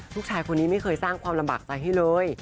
ผู้ชายคนนี้ไม่เคยสร้างความลำบากใจให้เลย